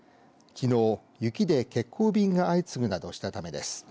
きのう、雪で欠航便が相次ぐなどしたためです。